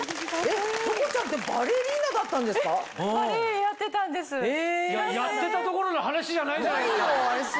やってたどころの話じゃないじゃないですか！